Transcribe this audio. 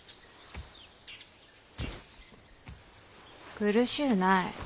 苦しうない。